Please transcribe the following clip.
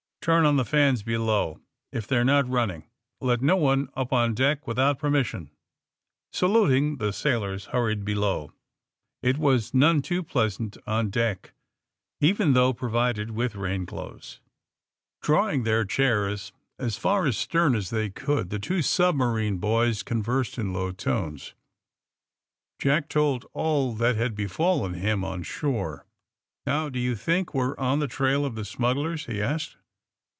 Turn on the fans below if they 're not run ning. Let no one up on deck without permis sion." Saluting, the sailors hurried below. It was none too pleasant on deck, even though provided with rain clothes. a a 74 THE SUBMAEINE BOYS Drawing their chairs as far astern as they conld the two submarine boys conversed in low tones. Jack told all that had befallen him on shore. ^^Now^ do you think we're on the trail 6f the smugglers?'^ he asked.